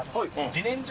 自然薯！